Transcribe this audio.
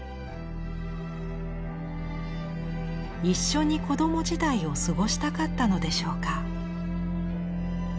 一緒に子ども時代を過ごしたかったのでしょうか。